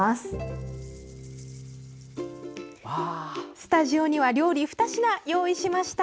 スタジオには料理２品用意しました。